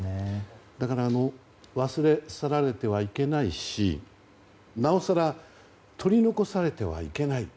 だから忘れ去られてはいけないしなおさら取り残されてはいけない。